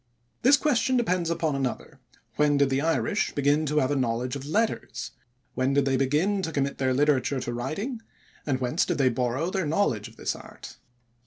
This question depends upon another When did the Irish begin to have a knowledge of letters; when did they begin to commit their literature to writing; and whence did they borrow their knowledge of this art?